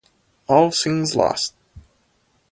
All seems lost.